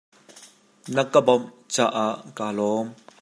Na ka bawmh caah kaa lawm.